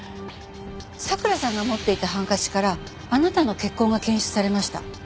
咲良さんが持っていたハンカチからあなたの血痕が検出されました。